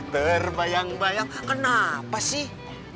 terbayang bayang kenapa sih